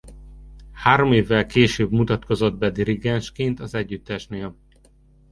Három évvel később mutatkozott be dirigensként az együttesnél.